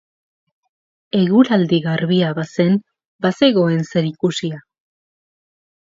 Eguraldi garbia bazen, bazegoen zer ikusia.